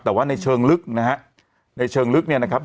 แต่ว่าในเชิงลึกนะฮะในเชิงลึกเนี่ยนะครับ